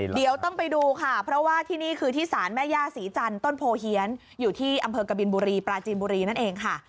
เดี๋ยวต้องไปดูค่ะเพราะว่าที่นี่คือที่ศาลแม่ย่าศรีจันทร์ต้นโพเฮียนอยู่ที่อำเภอกบินบุรีปราจีนบุรีนั่นเองค่ะ